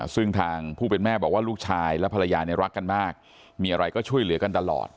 ซึ่งทางผู้เป็นแม่บอกว่าลูกชายและภรรยาเนี่ยรักกันมากมีอะไรก็ช่วยเหลือกันตลอด